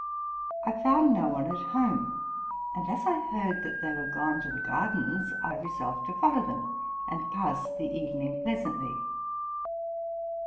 I found no one at home; and, as I heard that they were gone to the gardens, I resolved to follow them, and pass the evening pleasantly.